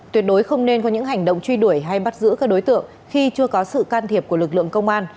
tuyệt đối không nên có những hành động truy đuổi hay bắt giữ các đối tượng khi chưa có sự can thiệp của lực lượng công an